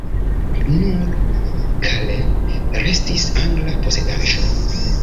Nur Calais restis angla posedaĵo.